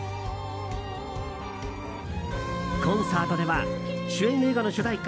コンサートでは主演映画の主題歌